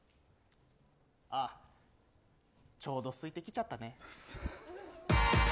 ちょうどすいてきちゃったね。